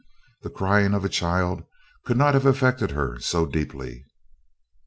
The crying of a child could not have affected her so deeply.